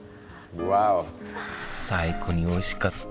最高においしかった。